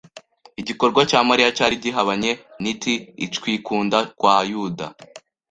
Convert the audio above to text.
Igikorwa cya Mariya cyari gihabanye n't>Icwikunda kwa Yuda,